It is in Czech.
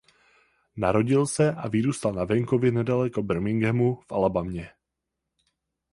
Narodil se a vyrůstal na venkově nedaleko Birminghamu v Alabamě.